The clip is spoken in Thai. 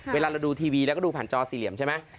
เวลาเราดูทีวีเราก็ดูผ่านจอสี่เหลี่ยมใช่ไหม